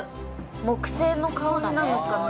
木製の香りなのかな。